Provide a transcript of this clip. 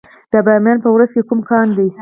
د بامیان په ورس کې کوم کان دی؟